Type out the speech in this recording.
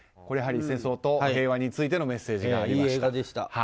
やはり戦争と平和についてのメッセージがありました。